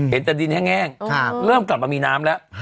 เห็นแต่ดินแห้งเริ่มกลับมามีน้ำแล้ว